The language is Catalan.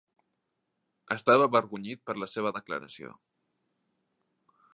Estava avergonyit per la seva declaració.